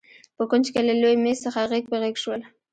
په کونج کې له لوی مېز څخه غېږ په غېږ شول.